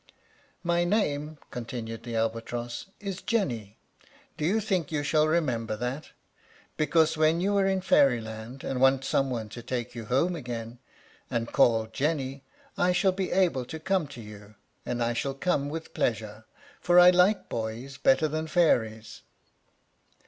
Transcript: "My name," continued the albatross, "is Jenny. Do you think you shall remember that? because, when you are in Fairyland and want some one to take you home again, and call 'Jenny,' I shall be able to come to you; and I shall come with pleasure, for I like boys better than fairies."